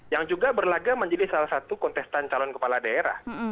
yang juga berlagak menjadi salah satu kontestan calon kepala daerah